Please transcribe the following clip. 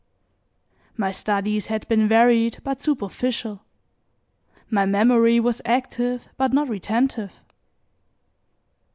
My studies had been varied but superficial; my memory was active but not retentive.